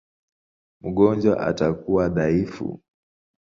Mgonjwa atakuwa dhaifu.